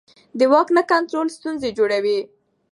د واک نه کنټرول ستونزې جوړوي